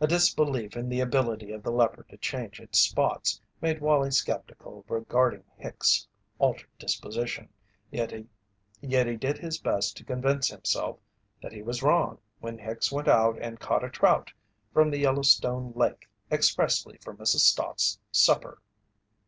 A disbelief in the ability of the leopard to change its spots made Wallie sceptical regarding Hicks' altered disposition, yet he did his best to convince himself that he was wrong when Hicks went out and caught a trout from the Yellowstone Lake expressly for Mrs. Stott's supper.